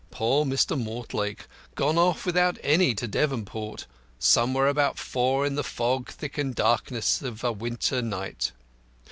Poor Mr. Mortlake, gone off without any to Devonport, somewhere about four in the fog thickened darkness of a winter night!